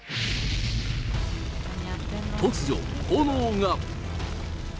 突如、炎が。